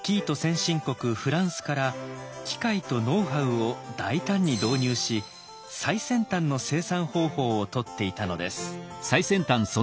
フランスから機械とノウハウを大胆に導入し最先端の生産方法をとっていたのです。